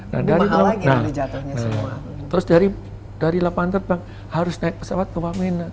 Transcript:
nah dari lapangan terbang harus naik pesawat ke wamena